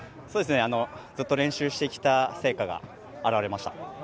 ずっと練習してきた成果が表れました。